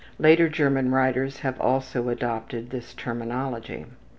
Later German writers have also adopted his terminology.